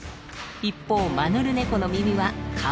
一方マヌルネコの耳は顔の横。